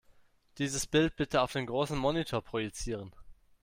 Dieses Bild bitte auf den großen Monitor projizieren.